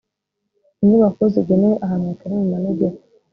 inyubako zigenewe ahantu hatari mumanegeka